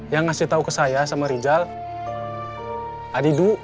yang ngasih tahu ke saya sama rijal adidu